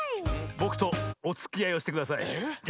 ぼくとおつきあいをしてください。